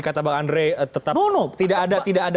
kata bang andre tetap tidak ada